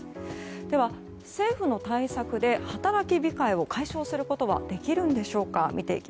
では、政府の対策で働き控えを解消することはできるのでしょうか。